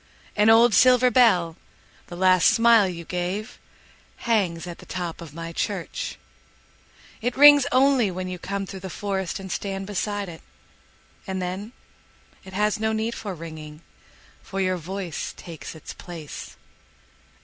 An old silver bell, the last smile you gave, Hangs at the top of my church.It rings only when you come through the forestAnd stand beside it. And then, it has no need for ringing, For your voice takes its place.